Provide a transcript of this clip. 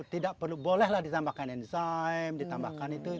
tidak perlu bolehlah ditambahkan enzim ditambahkan itu